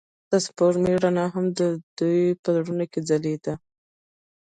د سپوږمۍ رڼا هم د دوی په زړونو کې ځلېده.